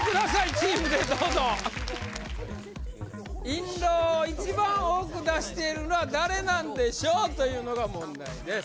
チームでどうぞ印籠を一番多く出しているのは誰なんでしょう？というのが問題です